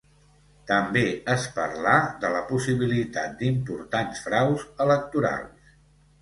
També es parlà de la possibilitat d'importants fraus electorals.